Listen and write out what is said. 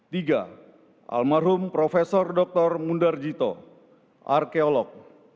tiga almarhum prof dr mundarjito arkeolog